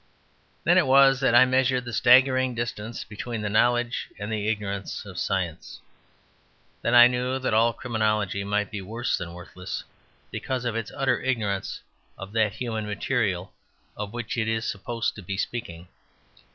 Then it was that I measured the staggering distance between the knowledge and the ignorance of science. Then I knew that all criminology might be worse than worthless, because of its utter ignorance of that human material of which it is supposed to be speaking.